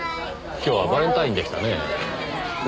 今日はバレンタインでしたね。